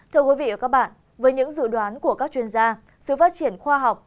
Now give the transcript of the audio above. thưa quý vị và các bạn với những dự đoán của các chuyên gia sự phát triển khoa học